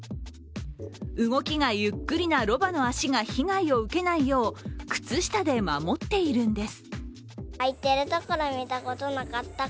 動きがゆっくりなロバの足が被害を受けないよう、靴下で守っているんです。